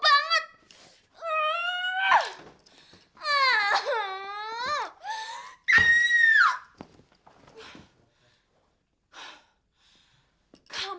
sama jedem sama heri bahkan